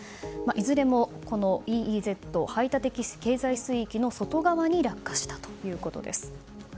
いずれもＥＥＺ・排他的経済水域の外側に落下したということです。